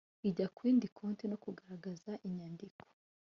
ijya ku yindi konti no kugaragaza inyandiko